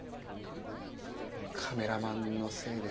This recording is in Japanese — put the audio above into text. カメラマンのせいですかね。